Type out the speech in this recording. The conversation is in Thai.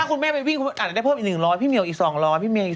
ถ้าคุณแม่ไปวิ่งอ่ะอาจจะได้เพิ่มอีก๑๐๐พี่เมียลอีก๒๐๐พี่เมียลอีก๓๐๐